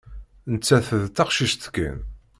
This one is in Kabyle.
Nettat d taqcict kan.